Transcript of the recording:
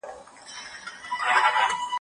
که تاسو ونه غواړئ، نو ټکټ به ترلاسه نه شي.